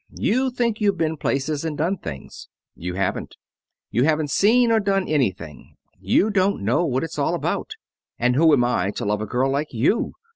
You think you've been places and done things. You haven't. You haven't seen or done anything you don't know what it's all about. And whom am I to love a girl like you?